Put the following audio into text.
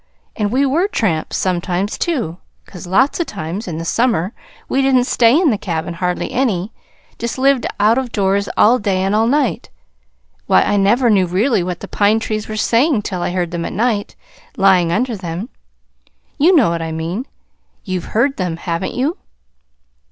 And we were tramps, sometimes, too, 'cause lots of times, in the summer, we didn't stay in the cabin hardly any just lived out of doors all day and all night. Why, I never knew really what the pine trees were saying till I heard them at night, lying under them. You know what I mean. You've heard them, haven't you?"